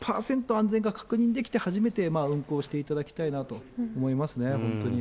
安全が確認できて、初めて運行していただきたいなと思いますね、本当に。